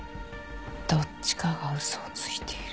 どっちかが嘘をついている。